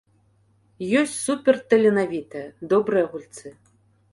Ёсць суперталенавітыя, добрыя гульцы.